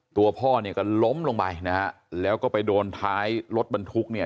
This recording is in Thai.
ตัวพ่อเนี่ยก็ล้มลงไปนะฮะแล้วก็ไปโดนท้ายรถบรรทุกเนี่ย